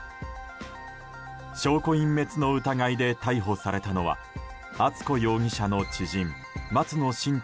証拠隠滅の疑いで逮捕されたのは敦子容疑者の知人松野新太